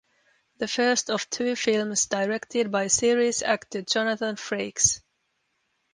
The first of two films directed by series actor Jonathan Frakes.